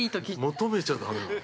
◆求めちゃだめなの。